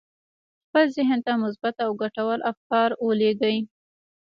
خپل ذهن ته مثبت او ګټور افکار ولېږئ